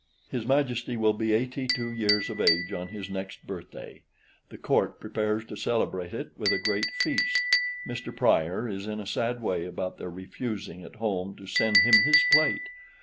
"(His Majesty will be) eighty two years of age on his next birthday. The Court prepares to celebrate it with a great feast. Mr. Prior is in a sad way about their refusing at home to send him his plate.